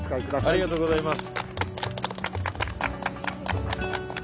ありがとうございます。